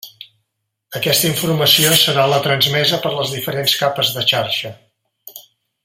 Aquesta informació serà la transmesa per les diferents capes de xarxa.